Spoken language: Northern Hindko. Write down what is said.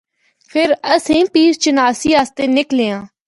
فر اسّیں پیر چناسی اسطے نِکلیاں۔